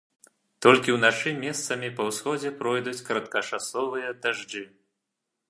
Толькі ўначы месцамі па ўсходзе пройдуць кароткачасовыя дажджы.